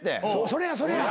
それやそれや。